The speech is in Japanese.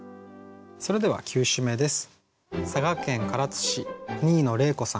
それでは９首目です。